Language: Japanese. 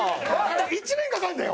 １年かかるんだよ